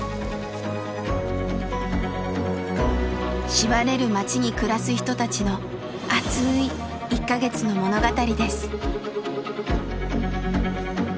しばれる町に暮らす人たちの熱い１か月の物語です。